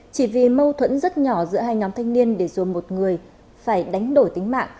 chỉ vì mâu thuẫn rất nhỏ giữa hai nhóm thanh niên để rồi một người phải đánh đổi tính mạng